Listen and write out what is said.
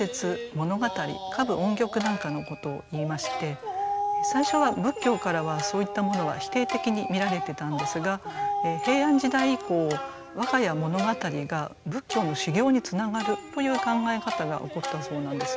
物語歌舞音曲なんかのことをいいまして最初は仏教からはそういったものは否定的に見られてたんですが平安時代以降和歌や物語が仏教の修行につながるという考え方が起こったそうなんです。